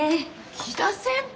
木田先輩！